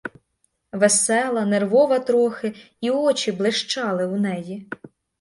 Весела, нервова трохи, і очі блищали у неї.